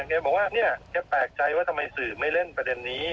แกบอกว่าเนี่ยแกแปลกใจว่าทำไมสื่อไม่เล่นประเด็นนี้